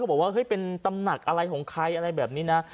บอกว่าเฮ้ยเป็นตำหนักอะไรของใครอะไรแบบนี้นะ